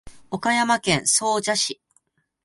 岡山県総社市